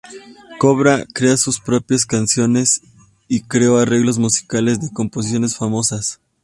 Coba crea sus propias canciones y crea arreglos musicales de composiciones famosas.